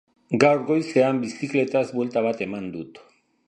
Gaur goizean bizikletaz buelta bat eman dut